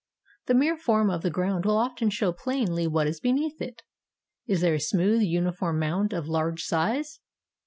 The mere form of the ground will often show plainly what is beneath it. Is there a smooth, uniform mound of large size?